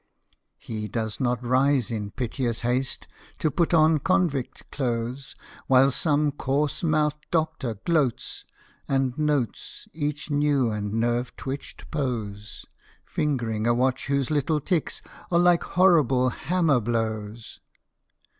He does not rise in piteous haste To put on convict clothes, While some coarse mouthed Doctor gloats, and notes Each new and nerve twitched pose, Fingering a watch whose little ticks Are like horrible hammer blows.